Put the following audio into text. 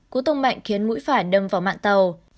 cú tông mạnh khiến mũi phải đâm vào mạng tàu